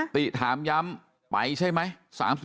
ติถามย้ำไปใช่ไหม